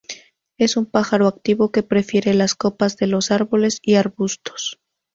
Es un pájaro activo, que prefiere las copas de los árboles y arbustos.